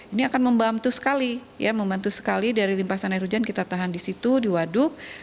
ini akan membantu sekali ya membantu sekali dari limpasan air hujan kita tahan di situ di waduk